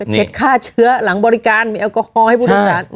เช็ดค่าเชื้อหลังบริการมีแอลกอฮอล์ให้ผู้โดยสาธารณ์